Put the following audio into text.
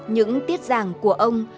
những tiết giảng của ông